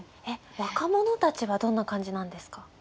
えっ若者たちはどんな感じなんですか？